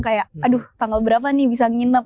kayak aduh tanggal berapa nih bisa nginep